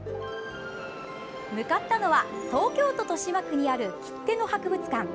向かったのは東京都豊島区にある切手の博物館。